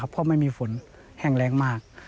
เพราะไม่มีฝนแห้งแรงมาก